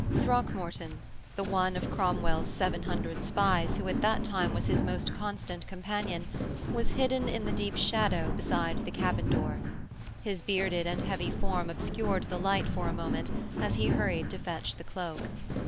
Throckmorton, the one of Cromwell's seven hundred spies who at that time was his most constant companion, was hidden in the deep shadow beside the cabin door. His bearded and heavy form obscured the light for a moment as he hurried to fetch the cloak.